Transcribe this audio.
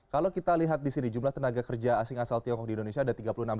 kalau kita lihat di sini jumlah tenaga kerja asing asal tiongkok di indonesia ada tiga puluh enam